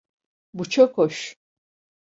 Bu çok hoş.